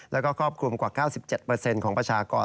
แล้วก็ครอบคลุมกว่า๙๗ของประชากร